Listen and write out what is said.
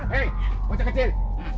hei bocah kecil